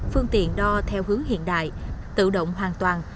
phương tiện đo theo hướng hiện đại tự động hoàn toàn